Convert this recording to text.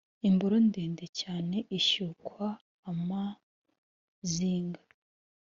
imboro ndende cyane ishyukwa a m a z i nga